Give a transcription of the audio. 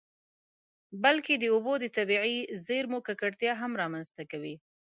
بلکې د اوبو د طبیعي زیرمو ککړتیا هم رامنځته کوي.